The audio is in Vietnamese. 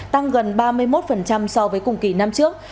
tăng gần ba mươi một so với cùng kỳ năm trước